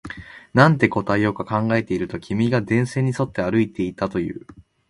なんて答えようか考えていると、君が電線に沿って歩いていたと言う